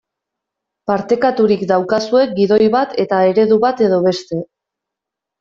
Partekaturik daukazue gidoi bat eta eredu bat edo beste.